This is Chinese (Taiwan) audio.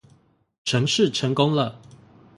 程式成功了